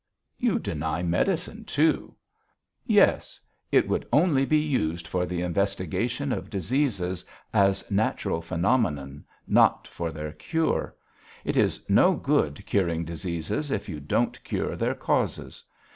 "You deny medicine too." "Yes. It should only be used for the investigation of diseases, as natural phenomenon, not for their cure. It is no good curing diseases if you don't cure their causes.